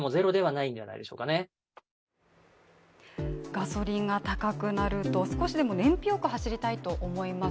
ガソリンが高くなると少しでも燃費良く走りたいと思います。